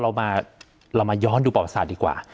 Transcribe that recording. เรามาย้อนดูประวัติศาสตร์ดีกว่า